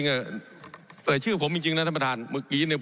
ผมอภิปรายเรื่องการขยายสมภาษณ์รถไฟฟ้าสายสีเขียวนะครับ